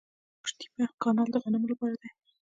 قوش تیپه کانال د غنمو لپاره دی.